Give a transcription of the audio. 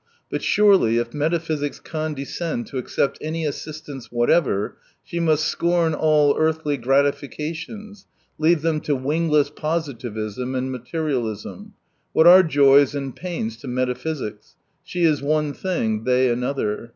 But surely, if metaphysics condescend to accept any assist ance whatever, she must scorn all earthly gratifications, leave them to wingless positiv ism and materialism. What are joys and pains to metaphysics ?— she is one thing, they another.